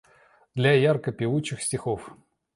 Для ярко певучих стихов